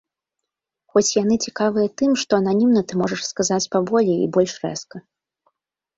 Хоць яны цікавыя тым, што ананімна ты можаш сказаць паболей і больш рэзка.